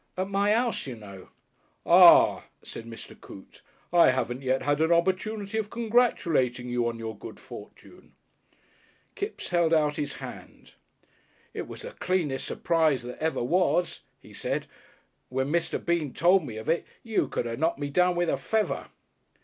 At my 'ouse, you know." "Ah!" said Mr. Coote. "I haven't yet had an opportunity of congratulating you on your good fortune." Kipps held out his hand. "It was the cleanest surprise that ever was," he said. "When Mr. Bean told me of it you could have knocked me down with a feather."